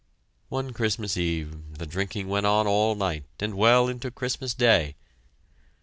One Christmas Eve, the drinking went on all night and well into Christmas Day.